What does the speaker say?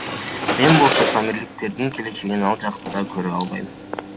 Мен болсо, памирликтердин келечегин ал жакта көрө албайм.